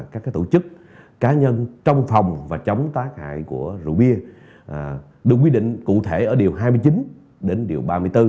các tổ chức cá nhân trong phòng và chống tác hại của rượu bia được quy định cụ thể ở điều hai mươi chín đến điều ba mươi bốn